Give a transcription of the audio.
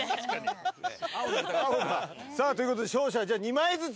さあということで勝者じゃあ２枚ずつ。